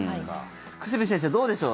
久住先生、どうでしょう。